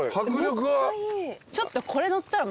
ちょっと。